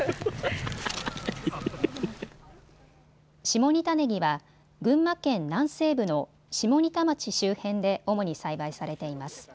下仁田ねぎは群馬県南西部の下仁田町周辺で主に栽培されています。